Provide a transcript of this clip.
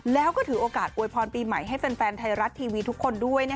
แล้วก็ถือโอกาสอวยพรปีใหม่ให้แฟนไทยรัฐทีวีทุกคนด้วย